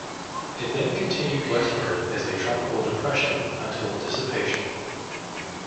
It then continued westward as a tropical depression until dissipation.